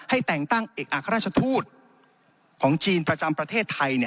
แต่งตั้งเอกอัครราชทูตของจีนประจำประเทศไทย